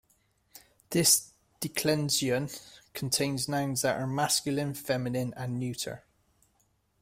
This declension contains nouns that are masculine, feminine, and neuter.